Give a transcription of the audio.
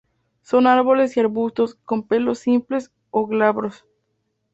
Son árboles y arbustos, con pelos simples o glabros.